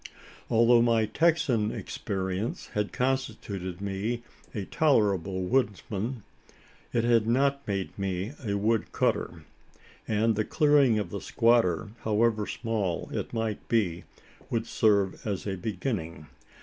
Although my Texan experience had constituted me a tolerable woodsman, it had not made me a woodcutter; and the clearing of the squatter, however small it might be, would serve as a beginning.